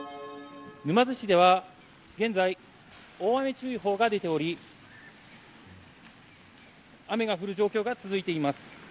沼津市では現在、大雨注意報が出ており雨が降る状況が続いています。